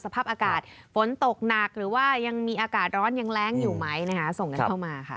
สภาพอากาศฝนตกหนักหรือว่ายังมีอากาศร้อนยังแรงอยู่ไหมนะคะส่งกันเข้ามาค่ะ